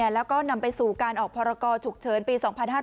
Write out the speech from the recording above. แล้วก็นำไปสู่การออกพรกรฉุกเฉินปี๒๕๕๙